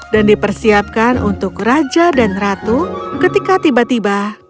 dan dipersiapkan untuk raja dan ratu ketika tiba tiba